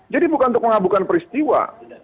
jadi bukan untuk mengaburkan peristiwa